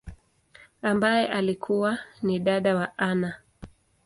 ambaye alikua ni dada wa Anna.